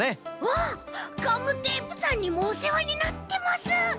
わあガムテープさんにもおせわになってます。